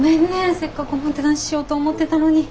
せっかくおもてなししようと思ってたのに。